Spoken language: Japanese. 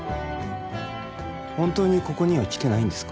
本当にここには来てないんですか？